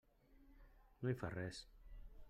No hi fa res.